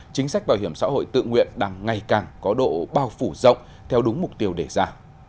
chính sách bảo hiểm xã hội tự nguyện đang ngày càng có độ bao phủ rộng theo đúng mục tiêu đề ra